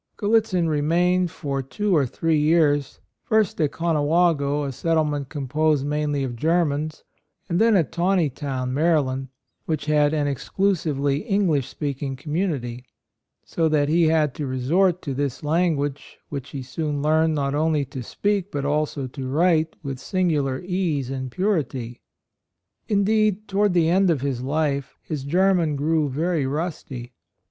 Gallitzin remained for two or three years, first at Conewago, a settlement composed mainly of Germans ; and then at Taney 74 A ROYAL SON town, Maryland, which had an exclusively English speaking community; so that he had to resort to this language, which he soon learned not only to speak but also to write with singular ease and purity. In deed toward the end of his life his German grew very rusty.